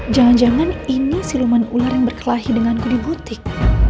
jangan jangan ini siluman ular yang berkelahi denganku di butik